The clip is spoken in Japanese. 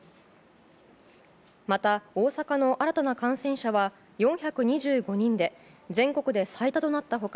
また、大阪の新たな感染者は４２５人で全国で最多となった他